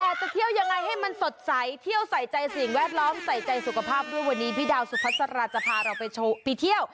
จะเที่ยวยังไงให้มันสดใสเที่ยวใส่ใจสิ่งแวดล้อมใส่ใจสุขภาพด้วยวันนี้พี่ดาวสุพัสราจะพาเราไปเที่ยว